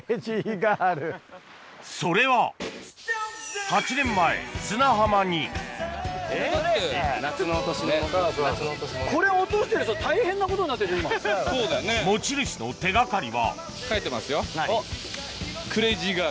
それは８年前砂浜に持ち主の手掛かりは書いてますよ「ＣＲＡＺＹＧＩＲＬ」。